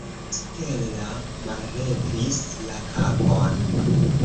Stella mallevis la kapon.